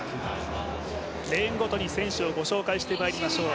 レーンごとに選手をご紹介してまいりましょう。